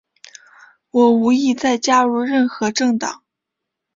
我无意再加入任何政党。